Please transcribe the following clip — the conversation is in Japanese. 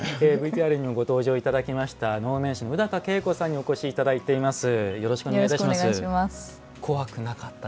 ＶＴＲにもご登場いただきました能面師の宇高景子さんにお越しいただきました。